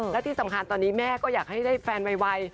และที่สำคัญตอนนี้แม่ก็อยากให้ได้แฟนไว